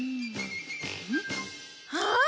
あっ！